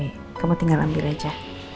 ini mari kamu tinggal ambil aja